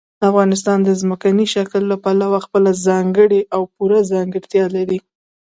افغانستان د ځمکني شکل له پلوه خپله ځانګړې او پوره ځانګړتیا لري.